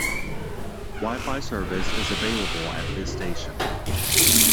Wi-Fi service is available at this station.